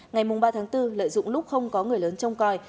ngày ba tháng bốn lợi dụng lúc không có người lớn trông coi